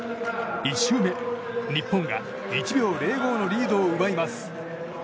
１周目、日本が１秒０５のリードを奪います。